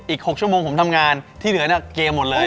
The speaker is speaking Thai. อีก๖ชั่วโมงผมทำงานที่เหลือเนี่ยเกมหมดเลย